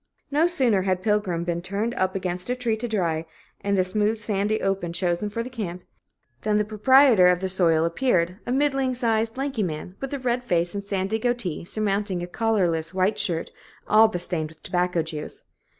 No sooner had Pilgrim been turned up against a tree to dry, and a smooth sandy open chosen for the camp, than the proprietor of the soil appeared a middling sized, lanky man, with a red face and a sandy goatee surmounting a collarless white shirt all bestained with tobacco juice.